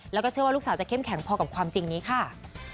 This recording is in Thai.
แล้วก็เชื่อว่าลูกสาวจะเข้มแข็งพอกับความจริงนี้ค่ะ